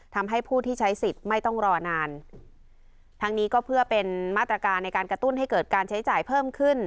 ทำให้ผู้ที่ใช้สิทธิ์ไม่ต้องรอนานทั้งนี้ก็เพื่อเป็นมาตรการในการกระตุ้นให้เกิดการใช้จ่ายเพิ่มขึ้น